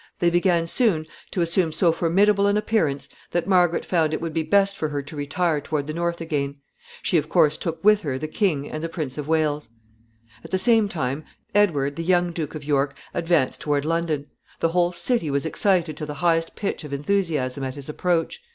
They began soon to assume so formidable an appearance that Margaret found it would be best for her to retire toward the north again. She of course took with her the king and the Prince of Wales. [Sidenote: Advance of Edward.] At the same time, Edward, the young Duke of York, advanced toward London. The whole city was excited to the highest pitch of enthusiasm at his approach.